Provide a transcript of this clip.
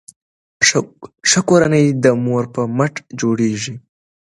ښه کورنۍ د مور په مټ جوړیږي.